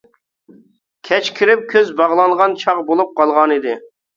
كەچ كىرىپ كۆز باغلانغان چاغ بولۇپ قالغانىدى.